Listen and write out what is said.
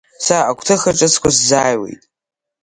Са агәҭыха ҿыцқәа сзааиуеит…